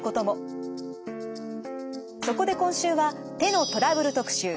そこで今週は手のトラブル特集